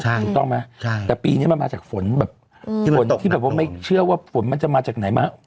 ถูกต้องไหมแต่ปีนี้มันมาจากฝนแบบฝนที่แบบว่าไม่เชื่อว่าฝนมันจะมาจากไหนมา